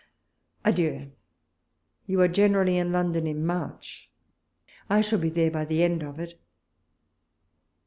Adieu ! You are generally in London in March ; I shall be there by the end of it.